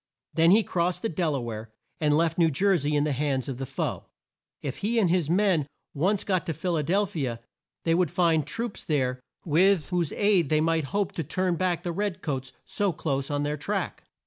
Then he crossed the Del a ware, and left New Jer sey in the hands of the foe. If he and his men once got to Phil a del phi a, they would find troops there with whose aid they might hope to turn back the red coats so close on their track.